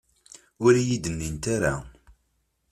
Ur iyi-d-nnint ara.